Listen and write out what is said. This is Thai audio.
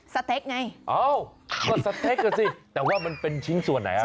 สเต็กไงเอ้าก็สเต็กอ่ะสิแต่ว่ามันเป็นชิ้นส่วนไหนอ่ะ